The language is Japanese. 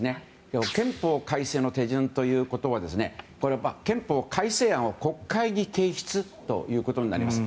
憲法改正の手順ということはこれは憲法改正案を国会に提出ということになります。